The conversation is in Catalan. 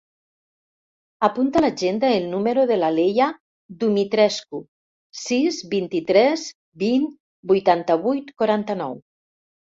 Apunta a l'agenda el número de la Leia Dumitrescu: sis, vint-i-tres, vint, vuitanta-vuit, quaranta-nou.